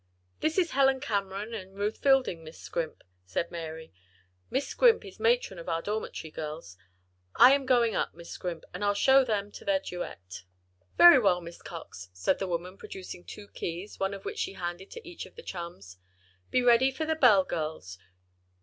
"This is Helen Cameron and Ruth Fielding, Miss Scrimp," said Mary. "Miss Scrimp is matron of our dormitory, girls. I am going up, Miss Scrimp, and I'll show them to their duet." "Very well, Miss Cox," said the woman, producing two keys, one of which she handed to each of the chums. "Be ready for the bell, girls.